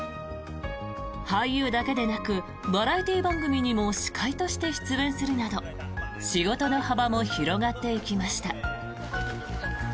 俳優だけでなくバラエティー番組にも司会として出演するなど仕事の幅も広がっていきました。